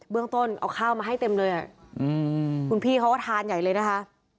เรื่องต้นเอาข้าวมาให้เต็มเลยคุณพี่เขาก็ทานใหญ่เลยนะคะ